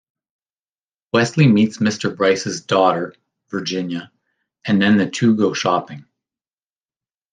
Wesley meets Mr. Bryce's daughter, Virginia, and then the two go shopping.